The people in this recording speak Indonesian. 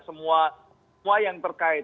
semua yang terkait